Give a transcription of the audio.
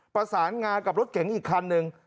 ประสานงากับรถเก๋งอีกคันหนึ่ง